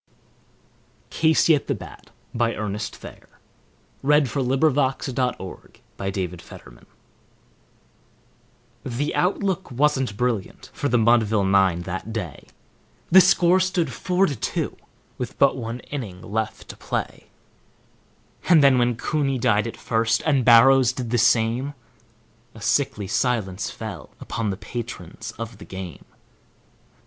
CASEY AT THE BAT By Ernest Thayer, Alpha / Harvard 1885 The outlook wasn't brilliant for the Mudville nine that day; The score stood four to two with but one inning left to play; And then, when Cooney died at first, and Barrows did the same, A sickly silence fell upon the patrons of the game.